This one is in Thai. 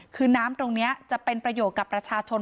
คือน้ำตรงนี้จะเป็นประโยชน์กับประชาชน